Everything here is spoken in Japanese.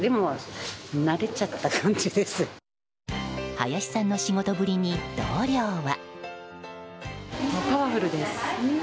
林さんの仕事ぶりに、同僚は。